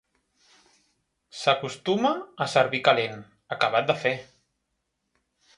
S'acostuma a servir calent, acabat de fer.